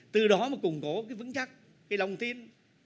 từ đó mà củng cố cái vững chắc cái lòng tin